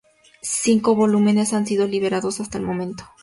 Cinco volúmenes han sido liberados hasta el momento.